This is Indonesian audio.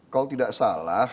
kalau tidak salah